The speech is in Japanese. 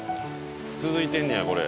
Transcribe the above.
続いてんねやこれ。